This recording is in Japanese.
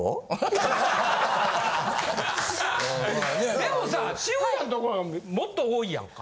でもさ渋谷のところもっと多いやんか。